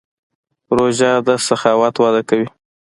روژه د سخاوت وده کوي.